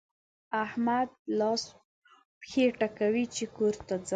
احمد لاس و پښې ټکوي چې کور ته ځم.